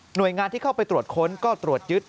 โดยงานที่เข้าไปตรวจค้นก็ตรวจยึด